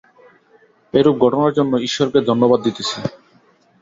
এরূপ ঘটনার জন্য ঈশ্বরকে ধন্যবাদ দিতেছি।